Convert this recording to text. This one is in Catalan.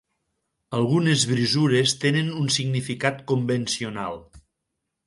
Algunes brisures tenen un significat convencional.